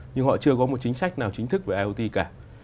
nhưng họ chưa có một chính sách nào chính thức về iot cả